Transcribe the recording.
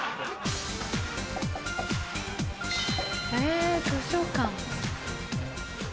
え図書館。